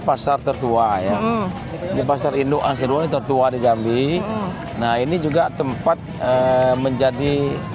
pasar tertua ya di pasar induk asirwan tertua di jambi nah ini juga tempat menjadi